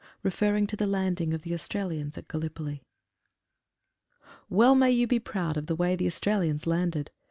(Referring to the landing of the Australians at Gallipoli.) ELL may you be proud of the way the Australians landed.